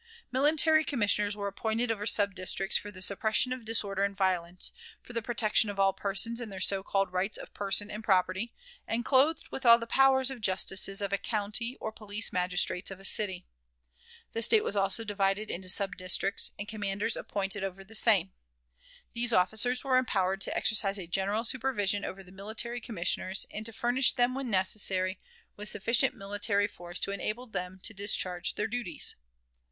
Military commissioners were appointed over sub districts for the suppression of disorder and violence, for the protection of all persons in their so called rights of person and property, and clothed with all the powers of justices of a county or police magistrates of a city. The State was also divided into sub districts, and commanders appointed over the same. These officers were empowered to exercise a general supervision over the military commissioners, and to furnish them, when necessary, with sufficient military force to enable them to discharge their duties.